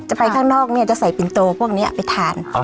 ไปข้างนอกเนี่ยจะใส่ปินโตพวกนี้ไปทาน